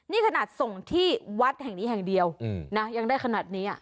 นี่ขนาดส่งที่วัดแห่งนี้แห่งเดียวนะยังได้ขนาดนี้